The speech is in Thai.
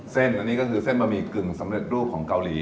เส้นอันนี้ก็คือเส้นบะหมี่กึ่งสำเร็จรูปของเกาหลี